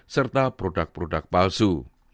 serta produk produk palsu